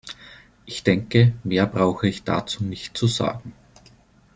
Ich denke, mehr brauche ich dazu nicht zu sagen.